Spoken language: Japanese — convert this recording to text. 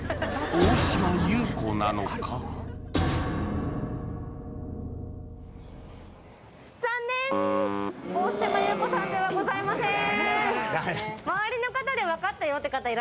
大島優子さんではございません